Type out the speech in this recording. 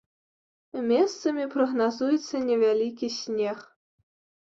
Месцамі прагназуецца невялікі снег.